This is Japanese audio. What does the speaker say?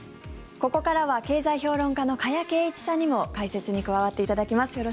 ここからは経済評論家の加谷珪一さんにも解説に加わっていただきます。